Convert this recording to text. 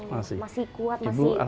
masih kuat masih sehat